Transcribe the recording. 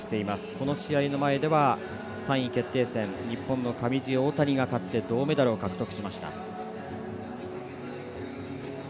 この試合の前では３位決定戦日本の上地、大谷が勝って銅メダルを獲得しました。